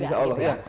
insya allah ya